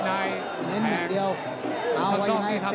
ตามต่อยกที่สองครับ